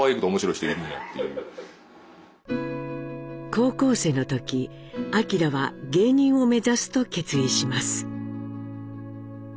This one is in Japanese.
高校生の時明は芸人を目指すと決意します。